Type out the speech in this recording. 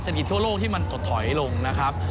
กิจทั่วโลกที่มันถดถอยลงนะครับ